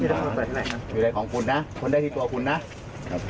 อยู่ในของคุณนะคนใดที่ตัวคุณนะ